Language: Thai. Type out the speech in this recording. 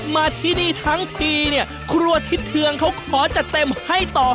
มาที่นี่ทั้งทีเนี่ยครัวทิศเทืองเขาขอจัดเต็มให้ต่อ